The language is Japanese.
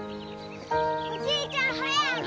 おじいちゃん早く！